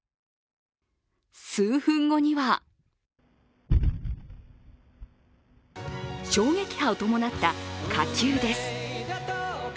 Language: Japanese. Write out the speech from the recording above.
数分後には衝撃波を伴った火球です。